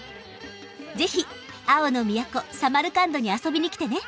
ぜひ「青の都・サマルカンド」に遊びに来てね。